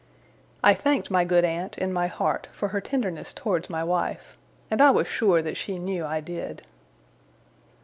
I thanked my good aunt, in my heart, for her tenderness towards my wife; and I was sure that she knew I did.